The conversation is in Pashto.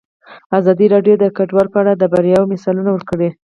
ازادي راډیو د کډوال په اړه د بریاوو مثالونه ورکړي.